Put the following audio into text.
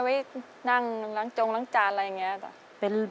ไว้นั่งล้างจงล้างจานอะไรอย่างนี้จ้ะ